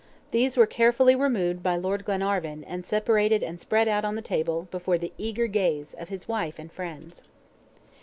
These were carefully removed by Lord Glenarvan, and separated and spread out on the table before the eager gaze of his wife and friends.